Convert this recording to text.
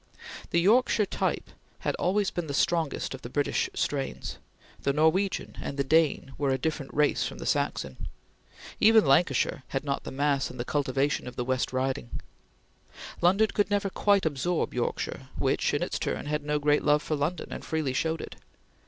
The Yorkshire type had always been the strongest of the British strains; the Norwegian and the Dane were a different race from the Saxon. Even Lancashire had not the mass and the cultivation of the West Riding. London could never quite absorb Yorkshire, which, in its turn had no great love for London and freely showed it.